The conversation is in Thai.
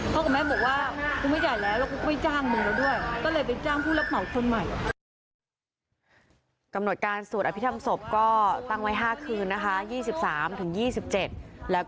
พ่อกับแม่บอกว่าคุณไม่จ่ายแล้วแล้วคุณไปจ้างมือแล้วด้วย